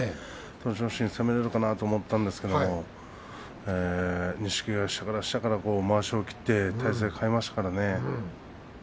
栃ノ心、攻め勝ったかなと思ったんですが錦木は下から下からまわしを切って体勢を変えましたからね。